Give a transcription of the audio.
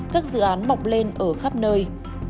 các dự án mọc lên ở khắp nơi